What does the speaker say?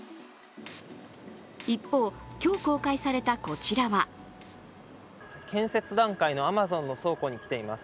一方、今日公開されたこちらは建設段階のアマゾンの倉庫に来ています。